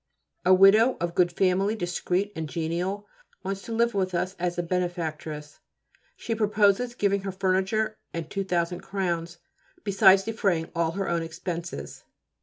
A widow of good family, discreet and genial, wants to live with us as a benefactress. She proposes giving her furniture and 2,000 crowns, besides defraying all her own expenses.